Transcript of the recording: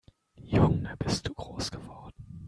Junge, bist du groß geworden!